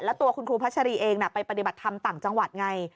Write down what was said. แล้วตัวคุณครูพัชรีเองไปปฏิบัติธรรมต่างจังหวัดไง